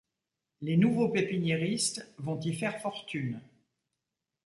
Les nouveaux pépiniéristes vont y faire fortune.